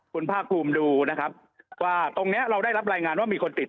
คุณภาคภูมิดูนะครับว่าตรงเนี้ยเราได้รับรายงานว่ามีคนติด